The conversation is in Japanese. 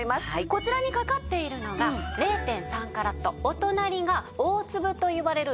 こちらに掛かっているのが０．３カラットお隣が大粒といわれる０．５カラットです。